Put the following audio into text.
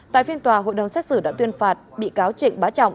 tại phiên tòa hội đồng xét xử đã tuyên phạt bị cáo trịnh bá trọng